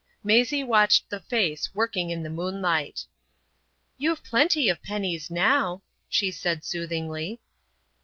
Maisie watched the face working in the moonlight. "You've plenty of pennies now," she said soothingly.